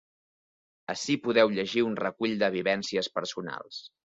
Ací podeu llegir un recull de vivències personals.